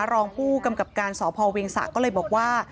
รองผู้กำกับการสพเวียงสะก็เลยบอกว่า